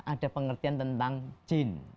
ada pengertian tentang jin